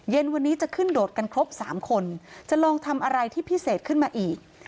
เย็นวันนี้จะขึ้นโดดกันครบ๓คนจะลองทำอะไรที่พิเศษขึ้นมาอีก